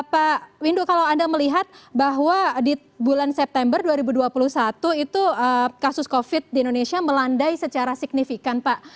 pak windu kalau anda melihat bahwa di bulan september dua ribu dua puluh satu itu kasus covid di indonesia melandai secara signifikan pak